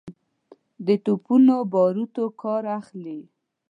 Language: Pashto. د توپونو باروتو کار اخلي.